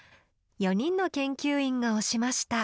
４人の研究員が推しました。